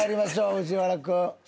藤原君。